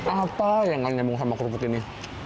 apa yang akan nyambung sama kerupuk ini